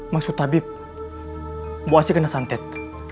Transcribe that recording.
maksud tabib buasnya kena santet